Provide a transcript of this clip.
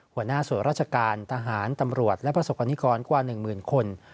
หัวหน้าส่วนราชการทหารตำรวจและประสบกรณิกรกว่า๑๐๐๐คน